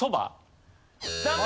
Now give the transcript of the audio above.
残念！